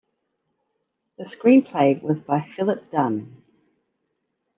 The screenplay was by Philip Dunne.